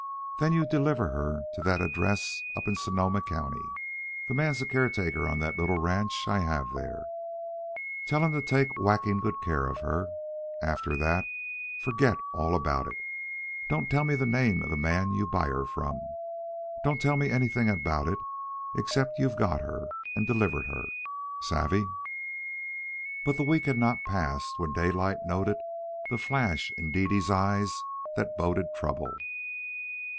Then you deliver her to that address up in Sonoma County. The man's the caretaker on a little ranch I have there. Tell him he's to take whacking good care of her. And after that forget all about it. Don't tell me the name of the man you buy her from. Don't tell me anything about it except that you've got her and delivered her. Savvee?" But the week had not passed, when Daylight noted the flash in Dede's eyes that boded trouble.